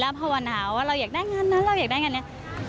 ภาวนาว่าเราอยากได้งานนั้นเราอยากได้งานนี้